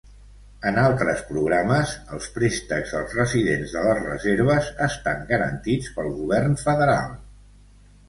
En altres programes, els préstecs als residents de les reserves estan garantits pel govern federal.